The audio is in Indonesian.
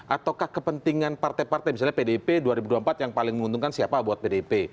ataukah kepentingan partai partai misalnya pdip dua ribu dua puluh empat yang paling menguntungkan siapa buat pdip